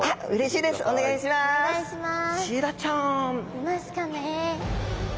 いますかね？